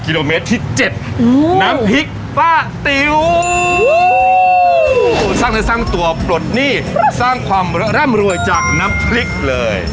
กิโลเมตรที่๗น้ำพริกป้าติ๋วสร้างเนื้อสร้างตัวปลดหนี้สร้างความร่ำรวยจากน้ำพริกเลย